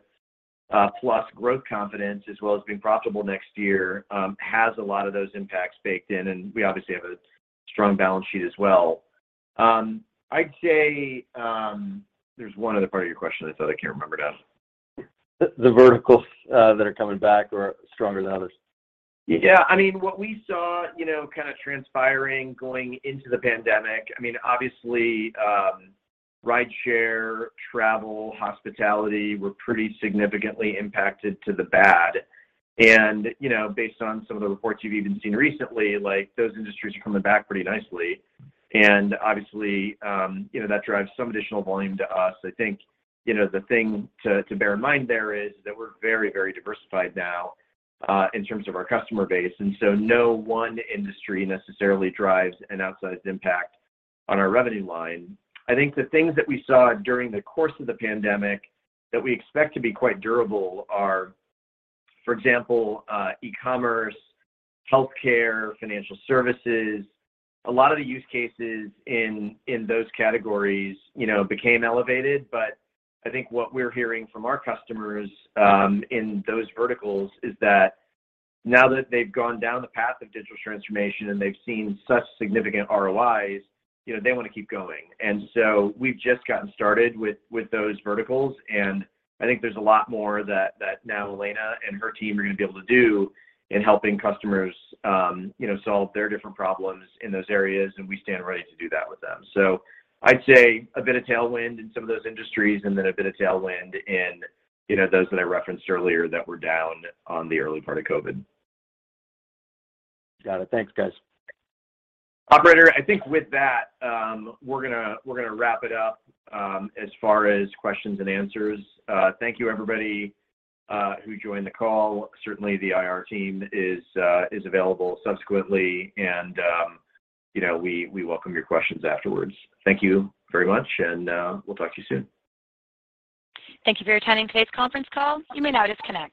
plus growth confidence, as well as being profitable next year, has a lot of those impacts baked in, and we obviously have a strong balance sheet as well. I'd say, there's one other part of your question I saw that I can't remember now. The verticals that are coming back are stronger than others. Yeah. I mean, what we saw, you know, kinda transpiring going into the pandemic, I mean, obviously, rideshare, travel, hospitality were pretty significantly impacted to the bad. You know, based on some of the reports you've even seen recently, like, those industries are coming back pretty nicely. Obviously, you know, that drives some additional volume to us. I think, you know, the thing to bear in mind there is that we're very, very diversified now, in terms of our customer base, and so no one industry necessarily drives an outsized impact on our revenue line. I think the things that we saw during the course of the pandemic that we expect to be quite durable are, for example, e-commerce, healthcare, financial services. A lot of the use cases in those categories, you know, became elevated, but I think what we're hearing from our customers in those verticals is that now that they've gone down the path of digital transformation and they've seen such significant ROIs, you know, they wanna keep going. We've just gotten started with those verticals, and I think there's a lot more that now Elena and her team are gonna be able to do in helping customers, you know, solve their different problems in those areas, and we stand ready to do that with them. I'd say a bit of tailwind in some of those industries, and then a bit of tailwind in, you know, those that I referenced earlier that were down in the early part of COVID. Got it. Thanks, guys. Operator, I think with that, we're gonna wrap it up as far as questions and answers. Thank you everybody who joined the call. Certainly, the IR team is available subsequently, and you know, we welcome your questions afterwards. Thank you very much, and we'll talk to you soon. Thank you for attending today's conference call. You may now disconnect.